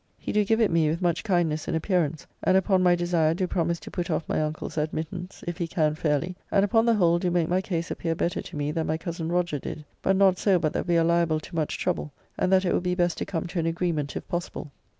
He do give it me with much kindness in appearance, and upon my desire do promise to put off my uncle's admittance, if he can fairly, and upon the whole do make my case appear better to me than my cozen Roger did, but not so but that we are liable to much trouble, and that it will be best to come to an agreement if possible.